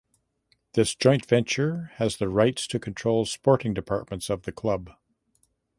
This joint venture has the rights to control sporting departments of the club.